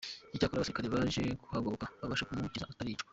Icyakoze abasirikare baje kuhagoboka babasha kumukiza ataricwa.